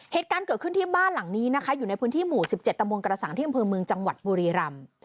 เหตุการณ์เกิดขึ้นที่บ้านหลังนี้นะคะอยู่ในพื้นที่หมู่๑๗ตำบลกระสังที่อำเภอเมืองจังหวัดบุรีรำ